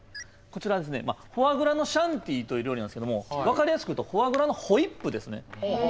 こちらですねフォアグラのシャンティイという料理なんですけども分かりやすく言うとフォアグラのホイップですね。